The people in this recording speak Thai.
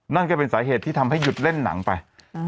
นั่นก็เป็นสาเหตุที่ทำให้หยุดเล่นหนังไป